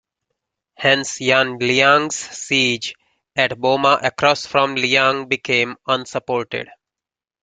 Hence Yan Liang's siege at Boma across from Liyang became unsupported.